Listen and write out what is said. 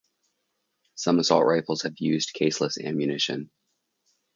Some assault rifles have used caseless ammunition.